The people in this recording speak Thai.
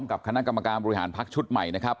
กับคณะกรรมการบริหารพักชุดใหม่นะครับ